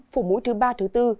phủ mũi thứ ba thứ bốn